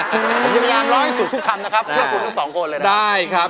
ผมจะพยายามร้องให้ถูกทุกคำนะครับเพื่อคุณทั้งสองคนเลยได้ครับ